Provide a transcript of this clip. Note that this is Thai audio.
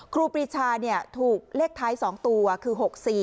ครูปรีชาถูกเลขท้าย๒ตัวคือ๖๔